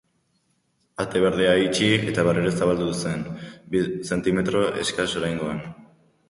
Ate berdea itxi... eta berriro zabaldu zen, bi zentimetro eskas oraingoan.